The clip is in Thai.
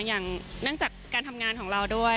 เนื่องจากการทำงานของเราด้วย